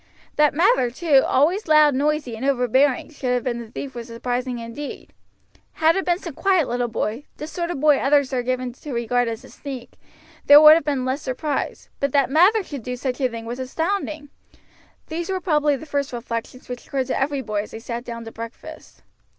That Mather, too, always loud, noisy, and overbearing, should have been the thief was surprising indeed. Had it been some quiet little boy, the sort of boy others are given to regard as a sneak, there would have been less surprise, but that Mather should do such a thing was astounding. These were probably the first reflections which occurred to every boy as he sat down to breakfast.